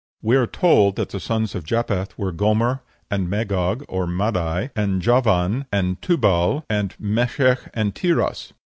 We are told that the sons of Japheth were Gomer, and Magog, and Madai, and Javan, and Tubal, and Meshech, and Tiras.